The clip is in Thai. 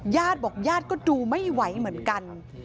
ญาติบอกญาติก็ดูไม่ไหวเหมือนกัน